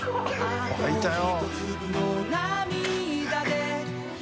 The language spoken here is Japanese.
沸いたよ。